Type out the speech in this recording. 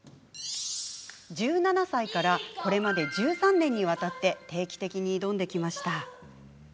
１７歳からこれまで１３年にわたって定期的に挑んできました。